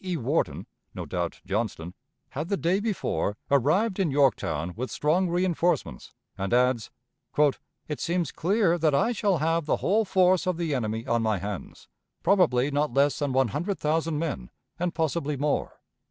E. Wharton (no doubt, Johnston) had the day before arrived in Yorktown with strong reënforcements, and adds: "It seems clear that I shall have the whole force of the enemy on my hands, probably not less than one hundred thousand men, and possibly more.